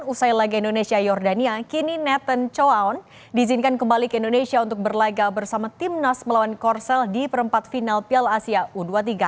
usai laga indonesia jordania kini netten choaon diizinkan kembali ke indonesia untuk berlaga bersama timnas melawan korsel di perempat final piala asia u dua puluh tiga